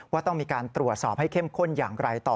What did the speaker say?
ว่าต้องมีการตรวจสอบให้เข้มข้นอย่างไรต่อ